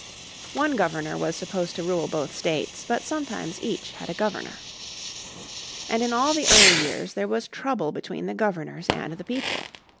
One Governor was supposed to rule both states, but sometimes each had a governor. And in all the early years there was trouble between the governors and the people.